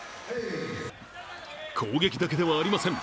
攻撃だけではありません。